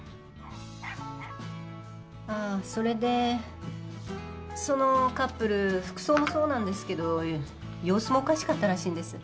あぁそれでそのカップル服装もそうなんですけど様子もおかしかったらしいんです。